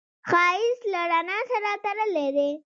ښایست له رڼا سره تړلی دی